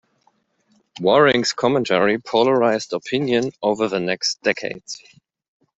Waring's commentary polarised opinion over the next decades.